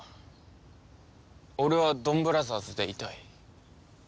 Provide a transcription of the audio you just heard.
俺はドンブラザーズでいたい。